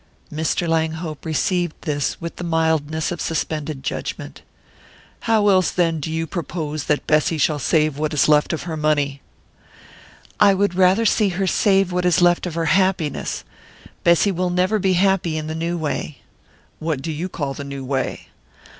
Mr. Langhope received this with the mildness of suspended judgment. "How else, then, do you propose that Bessy shall save what is left of her money?" "I would rather see her save what is left of her happiness. Bessy will never be happy in the new way." "What do you call the new way?"